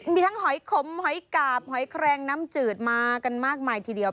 มีทั้งหอยขมหอยกาบหอยแครงน้ำจืดมากันมากมายทีเดียว